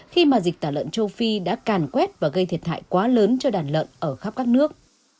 khi mà dịch tả lợn châu phi đã càn quét và gây thiệt hại quá lớn cho đàn lợn ở khắp các nước